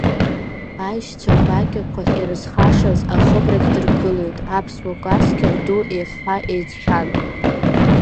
Аишьцәа гәакьақәа ирызхашаз ахыбрагь дыргылеит аԥсуа кәасқьа ду еихҳәа-еиҵҳәан.